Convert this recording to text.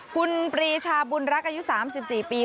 คุณปรีชาบุญรักษ์อายุ๓๔ปี